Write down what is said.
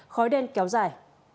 khói đen kéo dài